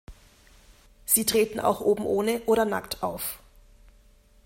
Sie treten auch oben ohne oder nackt auf.